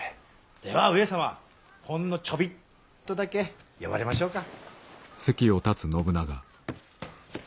では上様ほんのちょびっとだけ呼ばれましょうか。